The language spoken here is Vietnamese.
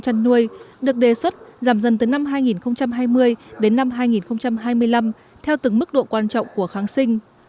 trăn nuôi được đề xuất giảm dần từ năm hai nghìn hai mươi đến năm hai nghìn hai mươi năm theo từng mức độ quan trọng của kháng sinh